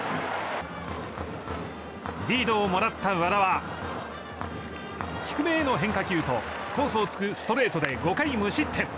リードをもらった和田は低めへの変化球とコースを突くストレートで５回無失点。